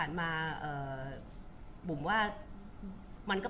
คุณผู้ถามเป็นความขอบคุณค่ะ